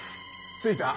着いた。